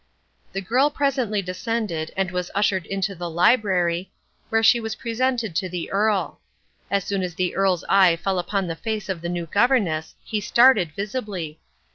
The girl presently descended and was ushered into the library, where she was presented to the Earl. As soon as the Earl's eye fell upon the face of the new governess he started visibly.